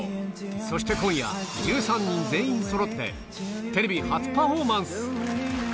そして今夜、１３人全員そろって、テレビ初パフォーマンス。